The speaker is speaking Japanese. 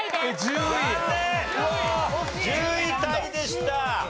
１０位タイでした。